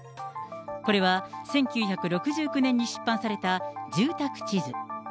これは１９６９年に出版された住宅地図。